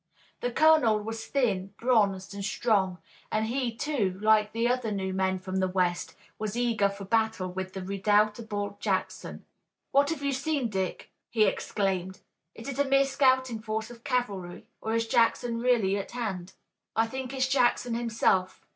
The colonel was thin, bronzed and strong, and he, too, like the other new men from the West, was eager for battle with the redoubtable Jackson. "What have you seen, Dick?" he exclaimed. "Is it a mere scouting force of cavalry, or is Jackson really at hand?" "I think it's Jackson himself.